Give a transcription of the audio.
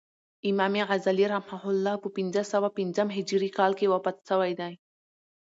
امام غزالی رحمة الله په پنځه سوه پنځم هجري کال کښي وفات سوی دئ.